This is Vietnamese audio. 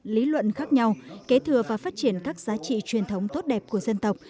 lý luận khác nhau kế thừa và phát triển các giá trị truyền thống tốt đẹp của dân tộc